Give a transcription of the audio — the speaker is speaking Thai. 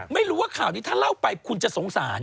ไม่รู้ว่าข่าวนี้ถ้าเล่าไปคุณจะสงสาร